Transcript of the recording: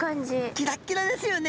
キラッキラですよね。